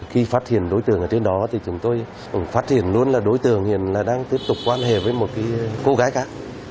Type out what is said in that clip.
khi phát hiện đối tượng ở trên đó thì chúng tôi phát hiện luôn là đối tượng hiện là đang tiếp tục quan hệ với một cô gái khác